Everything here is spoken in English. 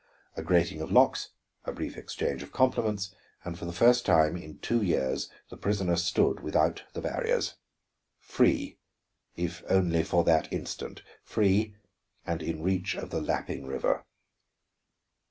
A grating of locks, a brief exchange of compliments, and for the first time in two years the prisoner stood without the barriers. Free, if only for that instant, free, and in reach of the lapping river.